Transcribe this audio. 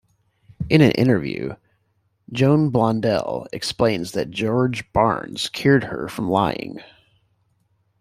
In an interview, Joan Blondell explains that George Barnes cured her from lying.